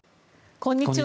こんにちは。